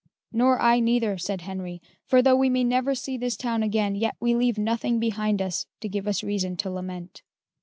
"Nor I neither," said Henry; "for though we may never see this town again, yet we leave nothing behind us to give us reason to lament."